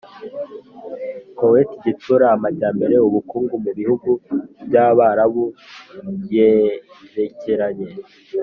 Koweti Gitsura Amajyambere y Ubukungu mu Bihugu by Abarabu yerekeranye